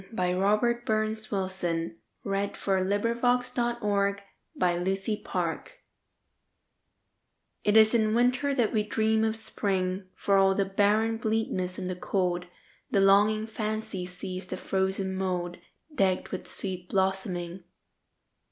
By Robert BurnsWilson 1047 It Is in Winter That We Dream of Spring IT is in Winter that we dream of Spring; For all the barren bleakness and the cold, The longing fancy sees the frozen mouldDecked with sweet blossoming.